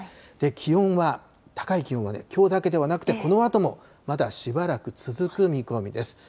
気温は、高い気温はね、きょうだけではなくて、このあともまだしばらく続く見込みです。